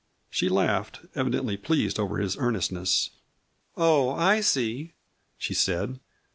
She laughed, evidently pleased over his earnestness. "Oh, I see," she said.